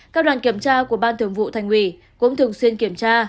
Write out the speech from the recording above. các đoàn kiểm tra của ban thường vụ thành ủy cũng thường xuyên kiểm tra